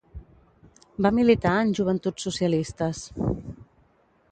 Va militar en Joventuts Socialistes.